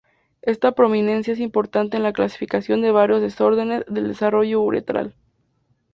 Esta prominencia es importante en la clasificación de varios desórdenes del desarrollo uretral.